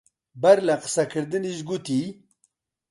بەر لە قسە کردنیش گوتی: